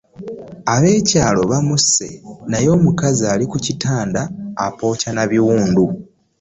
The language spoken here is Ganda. Ab'ekyalo bamusse naye omukazi ali ku kitanda apookya na biwundu.